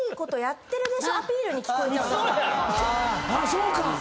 そうか！